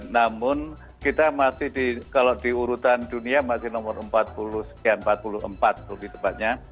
namun kita masih di kalau di urutan dunia masih nomor empat puluh sekian empat puluh empat lebih tepatnya